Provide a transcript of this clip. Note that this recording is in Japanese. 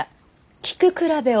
菊比べを。